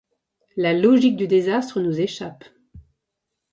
La logique du désastre nous échappe.